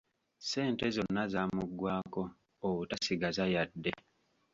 Ssente zonna zaamugwako obutasigaza yadde!